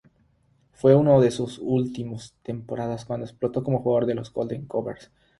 Fue en sus dos últimas temporadas cuando explotó como jugador con los Golden Gophers.